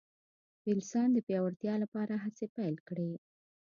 وېلسن د پیاوړتیا لپاره هڅې پیل کړې.